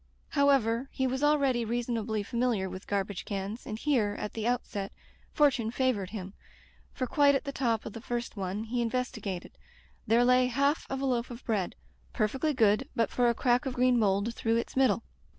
However, he was already reasonably fa miliar with garbage cans, and here, at the outset, fortune favored him; for quite at the top of the first one he investigated, there lay half of a loaf of bread, perfectly good but for a crack of green mould through its middle.